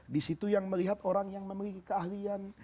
disitu yang melihat orang yang memiliki keahlian